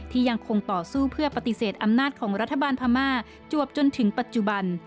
ยังคงต่อสู้เพื่อปฏิเสธอำนาจของรัฐบาลพม่าจวบจนถึงปัจจุบัน